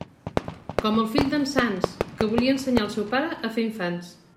Com el fill d'en Sanç, que volia ensenyar el seu pare a fer infants.